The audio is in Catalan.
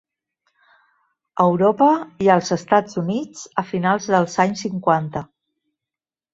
Europa i als Estats Units a finals dels anys cinquanta.